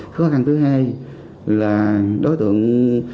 khó khăn thứ hai là đối tượng